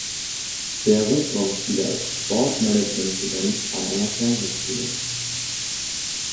Der Rückraumspieler ist Sportmanagement-Student an einer Fernhochschule.